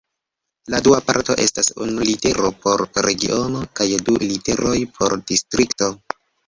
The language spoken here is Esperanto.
La dua parto estas unu litero por regiono kaj du literoj por distrikto.